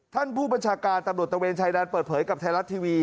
ท่านผู้บัญชาการตำรวจตะเวนชายแดนเปิดเผยกับไทยรัฐทีวี